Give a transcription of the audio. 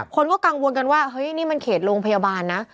คนก็กังวลกันว่าเฮ้ยนี่มันเขตโรงพยาบาลนะ